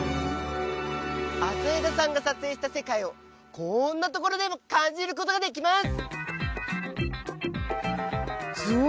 朝枝さんが撮影した世界をこんなところでも感じることができます！